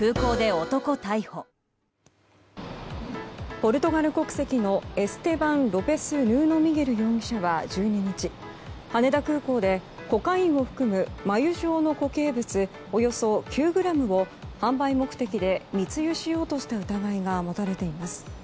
ポルトガル国籍のエステバン・ロペス・ヌーノ・ミゲル容疑者は１２日羽田空港でコカインを含む繭状の固形物およそ９ｇを販売目的で密輸しようとした疑いが持たれています。